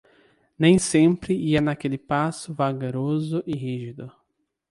Nem sempre ia naquele passo vagaroso e rígido.